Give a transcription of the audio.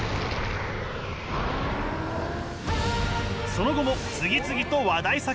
その後も次々と話題作を連発。